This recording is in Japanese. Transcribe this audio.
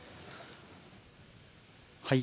はい。